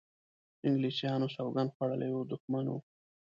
انګلیسیانو سوګند خوړولی دښمن وو.